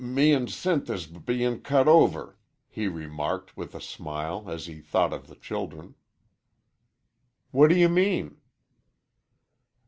"M me an' Sinth is b bein' cut over," here marked, with a smile, as he thought of the children. "What do you mean?"